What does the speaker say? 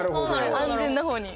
安全なほうに。